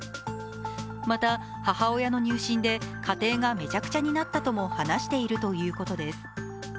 また母親の入信で家庭がめちゃくちゃになったとも話しているということです。